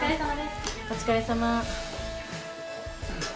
お疲れさま。